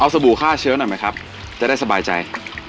สบู่ฆ่าเชื้อหน่อยไหมครับจะได้สบายใจ